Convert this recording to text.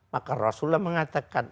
maka rasulullah mengatakan